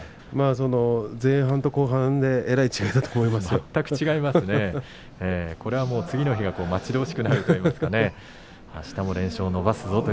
前半と後半でこれはもう次の日が待ち遠しくなるといいますかね連勝を伸ばすぞこと。